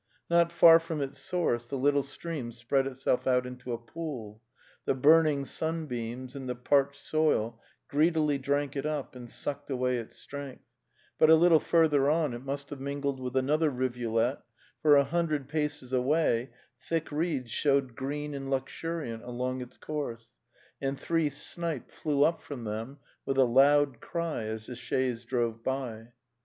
Not far from its source the little stream spread itself out into a pool; the burning sunbeams and the parched soil greedily drank it up and sucked away its strength; but a little further on it must have mingled with another rivu let, for a hundred paces away thick reeds showed green and luxuriant along its course, and three snipe flew up from them with a loud cry as the chaise drove by.